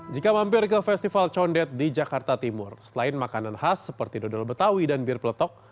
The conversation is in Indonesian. jika mampir ke festival condet di jakarta timur selain makanan khas seperti dodol betawi dan bir peletok